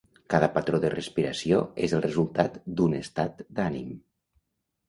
Cada patró de respiració és el resultat d'un estat d'ànim.